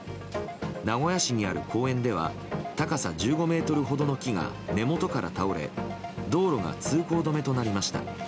名古屋市にある公園では高さ１５ｍほどの木が根元から倒れ道路が通行止めとなりました。